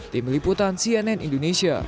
tim liputan cnn indonesia